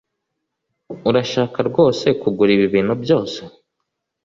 Urashaka rwose kugura ibi bintu byose